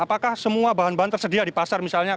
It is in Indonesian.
apakah semua bahan bahan tersedia di pasar misalnya